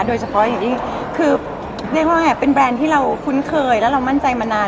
โดยเฉพาะอย่างยิ่งคือเรียกว่าไงเป็นแบรนด์ที่เราคุ้นเคยและเรามั่นใจมานาน